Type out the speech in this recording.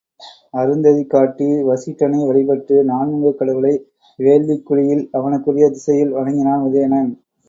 அருந்ததி காட்டி, வசிட்டனை வழிபட்டு, நான்முகக் கடவுளை வேள்விக் குழியில் அவனுக்குரிய திசையில் வணங்கினான் உதயணன்.